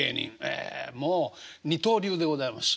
もう二刀流でございます。